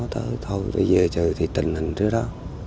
thôi bây giờ trời thì tình hình trước đó